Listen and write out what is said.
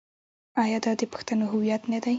آیا دا د پښتنو هویت نه دی؟